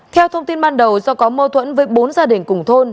theo thông tin ban đầu do có mâu thuẫn với bốn gia đình cùng thôn